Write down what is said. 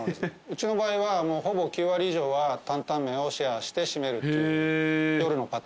うちの場合はほぼ９割以上は担々麺をシェアして締めるっていう夜のパターンですので。